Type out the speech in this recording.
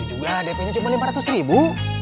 juga dp nya cuma lima ratus ribu